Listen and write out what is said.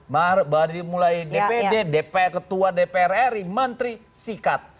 mulai dpd dprr menteri sikat